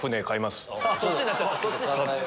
そっちになっちゃった。